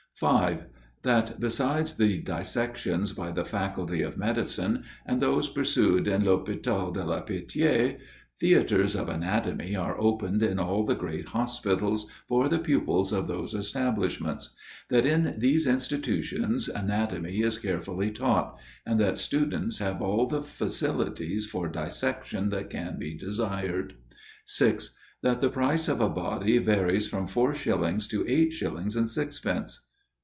That, besides the dissections by the faculty of medicine, and those pursued in L'Hôpital de la Pitié, theatres of anatomy are opened in all the great hospitals, for the pupils of those establishments: that in these institutions anatomy is carefully taught, and that pupils have all the facilities for dissection that can be desired. 6. That the price of a body varies from four shillings to eight shillings and sixpence.